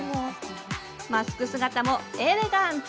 マスク姿もエレガント！